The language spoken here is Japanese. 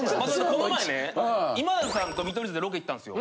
この前ね今田さんと見取り図でロケ行ったんすよ。